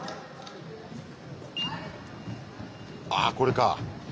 ああこれか！